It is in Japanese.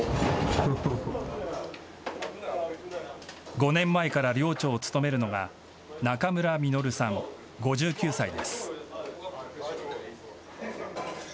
５年前から寮長を務めるのが中村稔さん、５９歳です。